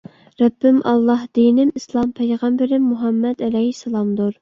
رەببىم ئاللاھ دىنىم ئىسلام پەيغەمبىرىم مۇھەممەد ئەلەيھىسسالام دۇر